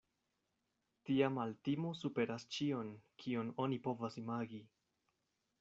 Tia maltimo superas ĉion, kion oni povas imagi.